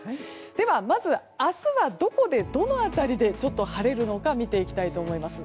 では、まず明日はどこで、どの辺りで晴れるのか見ていきたいと思います。